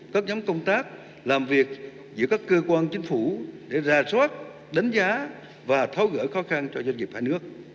các nhóm công tác làm việc giữa các cơ quan chính phủ để ra soát đánh giá và tháo gỡ khó khăn cho doanh nghiệp hai nước